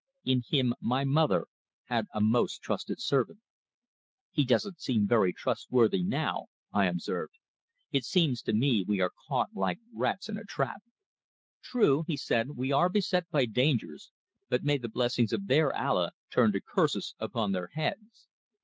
In him my mother had a most trusted servant." "He doesn't seem very trustworthy now," I observed. "It seems to me we are caught like rats in a trap." "True," he said. "We are beset by dangers, but may the blessings of their Allah turn to curses upon their heads.